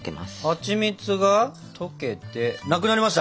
はちみつが溶けてなくなりました！